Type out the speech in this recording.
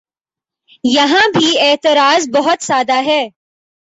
یہاں بھی اعتراض بہت سادہ ہے۔